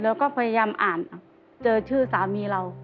แล้วก็พยายามอ่านเจอชื่อสามีเรา